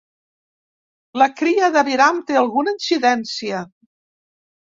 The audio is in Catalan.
La cria d'aviram té alguna incidència.